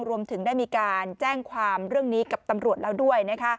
รวมถึงได้มีการแจ้งความเรื่องนี้กับตำรวจแล้วด้วย